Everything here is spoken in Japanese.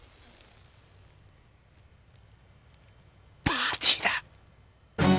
パーティーだ！